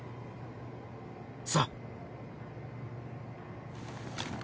さあ。